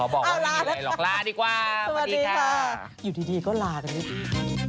บอกว่าไม่มีอะไรหรอกลาดีกว่าสวัสดีค่ะอยู่ดีก็ลากันดีกว่า